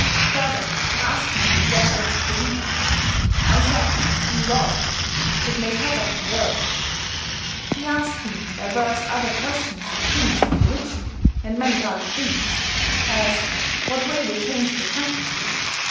Further he asked me in what I did beleeue? I said, in God, that made heauen and earth. He asked me diverse other questions of things of religion, and many other things: As, what way we came to the country?